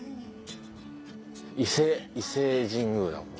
伊勢伊勢神宮だここは。